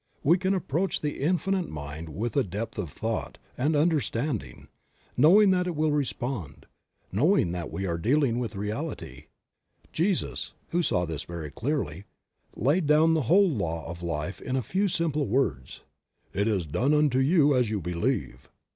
We can approach the Infinite Mind with a depth of thought and understanding, knowing that it will respond, knowing that we are dealing with reality. Jesus, who saw this very clearly, laid down the whole law of life in a few simple words: ''It is done unto you as you believe."